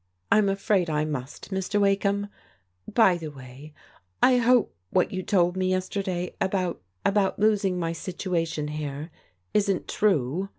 " I'm afraid I must, Mr. Wakeham. By the way, I hope what you told me yesterday about — about my losing my situation here isn't true."